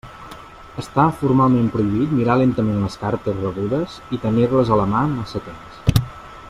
Està formalment prohibit mirar lentament les cartes rebudes i tenir-les a la mà massa temps.